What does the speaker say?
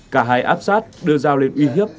cả hai áp sát đưa dao lên uy hiếp